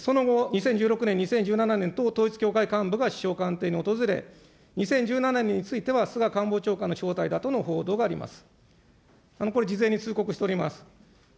その後、２０１６年、２０１７年党統一教会の関係者が首相官邸に訪れ、２０１７年については、菅官房長官の招待だとの報道があります。